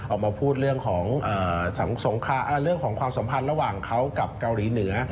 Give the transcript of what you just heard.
ออกมาพูดเรื่องของความสัมพันธ์ระหว่างเขากับเกาหลีเหนือ